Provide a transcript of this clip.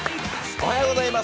おはようございます。